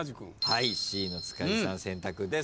はいＣの塚地さん選択です。